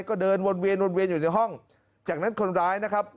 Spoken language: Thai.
ก็เดินวนเวียนวนเวียนอยู่ในห้องจากนั้นคนร้ายนะครับ